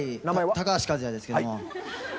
高橋和也ですけども。